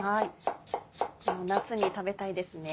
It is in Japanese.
夏に食べたいですね。